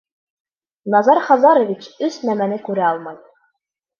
Назар Хазарович өс нәмәне күрә алмай.